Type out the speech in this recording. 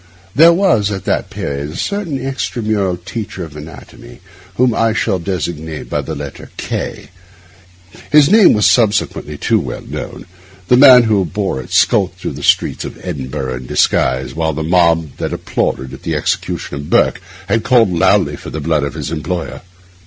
There was, at that period, a certain extramural teacher of anatomy, whom I shall here designate by the letter K. His name was subsequently too well known. The man who bore it skulked through the streets of Edinburgh in disguise, while the mob that applauded at the execution of Burke called loudly for the blood of his employer.